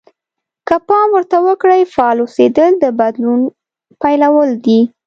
که پام ورته وکړئ فعال اوسېدل د بدلون پيلول دي.